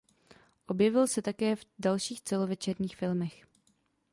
Objevil se také v dalších celovečerních filmech.